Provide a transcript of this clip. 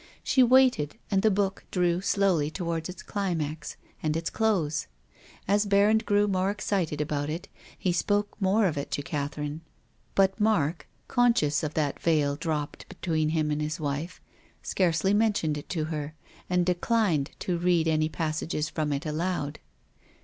She waited, and the book drew slowly towards its climax and its close. As Berrand grew more excited about it he spoke more of it to Catherine. But Mark — conscious of that veil dropped between him and his wife — scarcely mentioned it to her, and declined to read any passages from it aloud.